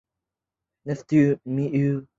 丰博扎尔。